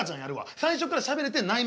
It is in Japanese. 最初からしゃべれて内面おっさんな。